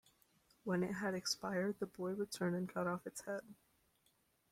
When it had expired the boy returned and cut off its head.